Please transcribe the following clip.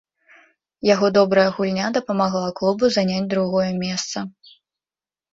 Яго добрая гульня дапамагла клубу заняць другое месца.